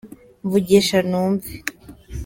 mvugisha numve